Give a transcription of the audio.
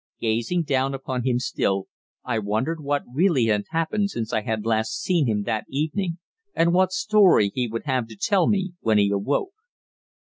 Gazing down upon him still, I wondered what really had happened since I had last seen him that evening, and what story he would have to tell me when he awoke.